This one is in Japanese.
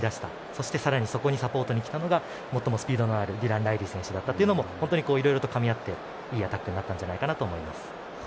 そしてそこにサポートに来たのが最もスピードのあるディラン・ライリー選手だったということもいろいろかみ合っていいアタックになったと思います。